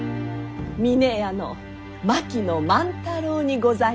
峰屋の槙野万太郎にございまする。